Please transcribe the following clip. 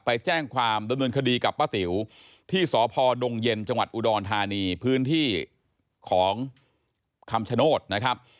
ไปแจ้งความดำเนินคดีกับป้าติ๋วที่สพดงเย็นจังหวัดอุดรธานีพื้นที่ของคำชโนธนะครับ